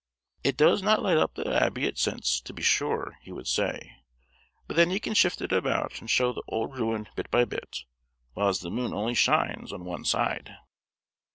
"It does na light up a' the Abbey at since, to be sure," he would say, "but then you can shift it about and show the auld ruin bit by bit, whiles the moon only shines on one side."